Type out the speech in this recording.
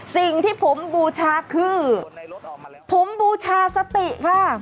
สิ่งที่ผมบูชาคือผมบูชาสติค่ะ